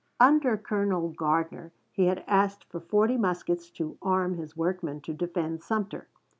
Under Colonel Gardiner he had asked for forty muskets to arm his workmen to defend Sumter.